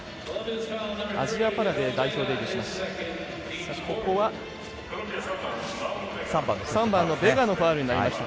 アジアパラで代表デビューしました。